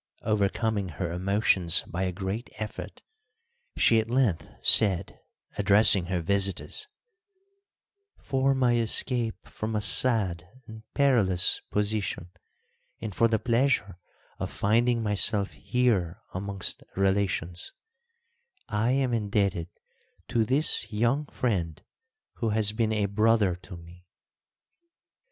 Overcoming her emotions by a great effort, she at length said, addressing her visitors, "For my escape from a sad and perilous position and for the pleasure of finding myself here amongst relations, I am indebted to this young friend who has been a brother to me."